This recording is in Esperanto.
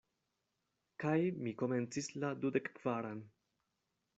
Kaj mi komencis la dudekkvaran.